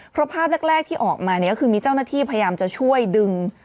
เพราะภาพแรกที่ออกมาเนี่ยก็คือมีเจ้าหน้าที่พยายามจะช่วยดึง